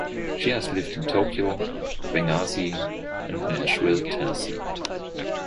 She has lived in Tokyo, Benghazi and Nashville, Tennessee.